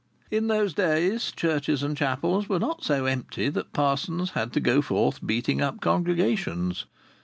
In those days churches and chapels were not so empty that parsons had to go forth beating up congregations.